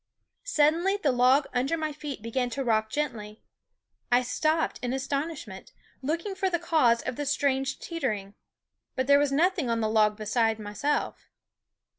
Suddenly the log under my feet began to rock gently. I stopped in astonishment, looking for the cause of the strange teeter ing ; but there was nothing on the log beside myself.